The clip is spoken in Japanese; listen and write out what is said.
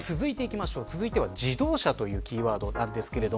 続いて自動車というキーワードです。